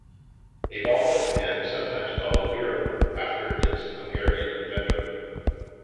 A ballpoint pen is sometimes called a Biro, after its Hungarian inventor